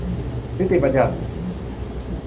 นิติบัญญัติ